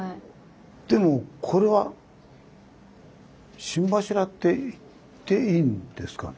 でもこれは「心柱」って言っていいんですか？